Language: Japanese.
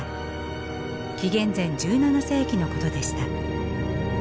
紀元前１７世紀のことでした。